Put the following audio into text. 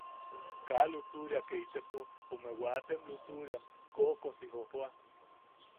Kaa lutuʼuria ke itepo ume waatem lutuʼuriam koʼokosi jojooa.